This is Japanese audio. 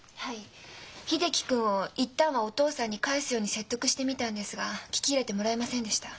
秀樹君を一旦はお父さんに返すように説得してみたんですが聞き入れてもらえませんでした。